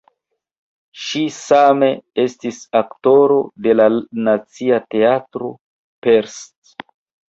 Ŝi same estis aktoro de la Nacia Teatro (Pest).